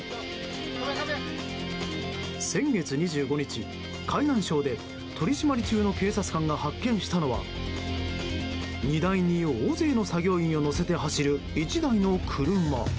先月２５日、海南省で取り締まり中の警察官が発見したのは荷台に大勢の作業員を乗せて走る１台の車。